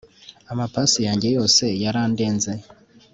amapasi yanjye yose yarandenze